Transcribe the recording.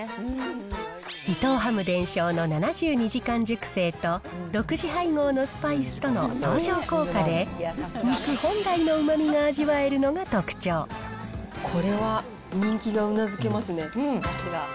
伊藤ハム伝承の７２時間熟成と、独自配合のスパイスとの相乗効果で、肉本来のうまみが味わえるのこれは、人気がうなずけます